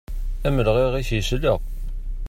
Amelɣiɣ-is yesleɣ.